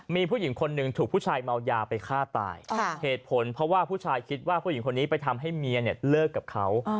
มีผู้หญิงคนหนึ่งถูกผู้ชายเมายาไปฆ่าตายเหตุผลเพราะว่าผู้ชายคิดว่าผู้หญิงคนนี้ไปทำให้เมียเนี่ยเลิกกับเขา